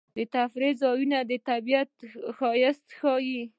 د تفریح ځایونه د طبیعت ښایست ښيي.